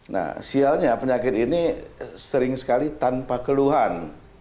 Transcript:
nah sialnya penyakit ini sering sekali tanpa keluhan